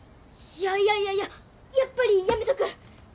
いやいやいやいややっぱりやめとく！